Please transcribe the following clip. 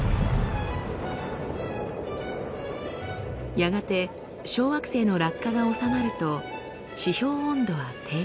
やがて小惑星の落下が収まると地表温度は低下。